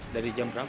dari jam berapa nanti